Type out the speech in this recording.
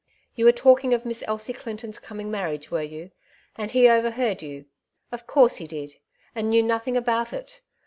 You were talking of Miss Elsie Clinton's coming marriage, were you? and he overheard you. Of course he did, and knew nothing about it.